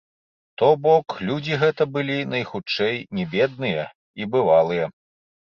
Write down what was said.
То бок, людзі гэта былі, найхутчэй, не бедныя і бывалыя.